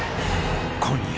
［今夜］